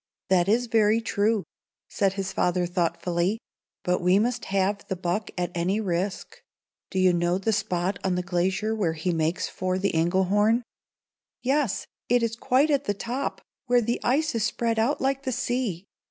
"That is very true," said his father, thoughtfully. "But we must have the buck at any risk. Do you know the spot on the glacier where he makes for the Engelhorn?" "Yes; it is quite at the top, where the ice is spread out like a sea."